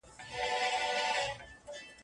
د پردیو ملایانو له آذانه یمه ستړی